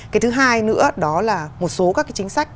cái thứ hai nữa đó là một số các cái chính sách